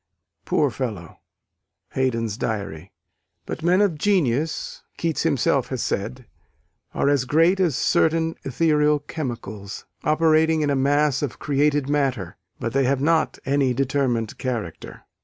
Poor fellow!" (Haydon's diary). But "men of genius," Keats himself has said, "are as great as certain ethereal chemicals, operating in a mass of created matter: but they have not any determined character."